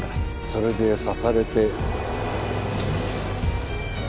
それで刺されて